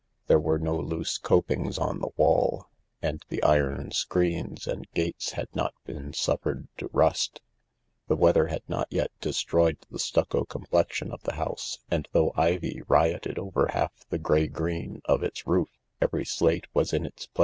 There were no loose copings on the wall, and the iron screens and gates had not been suffered to rust. The weather had not yet destroyed the stucco complexion of the house, and though ivy rioted over half the green grey of its roof, every slate was in its place.